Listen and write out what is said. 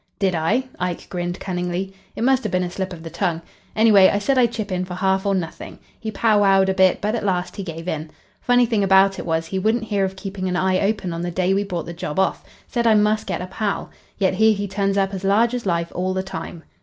"Did I?" Ike grinned cunningly. "It must have been a slip of the tongue. Anyway, I said I'd chip in for half or nothing. He pow wowed a bit, but at last he gave in. Funny thing about it was he wouldn't hear of keeping an eye open on the day we brought the job off. Said I must get a pal. Yet here he turns up as large as life all the time."